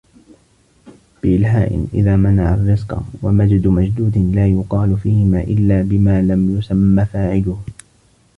وَبِالْحَاءِ إذَا مَنَعَ الرِّزْقَ وَمَجْدٌ مَجْدُودٍ لَا يُقَالُ فِيهِمَا إلَّا بِمَا لَمْ يُسَمَّ فَاعِلُهُ